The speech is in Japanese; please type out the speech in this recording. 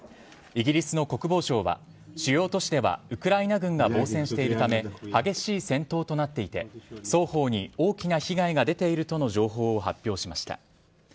イギリスの国防省は主要都市ではウクライナ軍が防戦しているため激しい戦闘となっていて双方に大きな被害が出ているとの情報を発表しました。